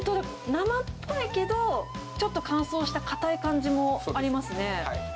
生っぽいけど、ちょっと乾燥した硬い感じもありますね。